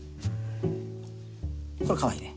これかわいいね。